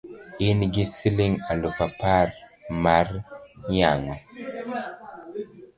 in gi siling' aluf apar mar yang'o?